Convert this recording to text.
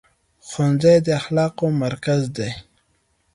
ښوونځی د اخلاقو مرکز دی.